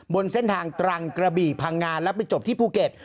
บนเส้นทางตรังกระบี่พังงานแล้วไปจบที่ภูเก็ต